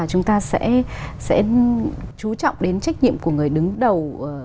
chúng ta sẽ chú trọng đến trách nhiệm của người đứng đầu